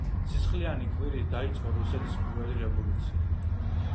სისხლიანი კვირით დაიწყო რუსეთის პირველი რევოლუცია.